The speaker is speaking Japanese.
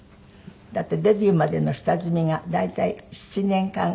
だってデビューまでの下積みが大体７年間ぐらい？